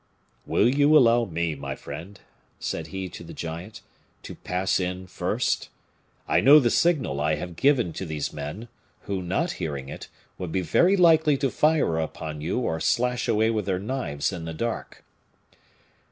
"Will you allow me, my friend," said he to the giant, "to pass in first? I know the signal I have given to these men; who, not hearing it, would be very likely to fire upon you or slash away with their knives in the dark."